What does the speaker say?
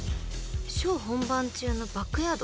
ショー本番中のバックヤード？］